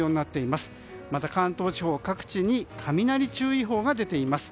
また、関東地方各地に雷注意報が出ています。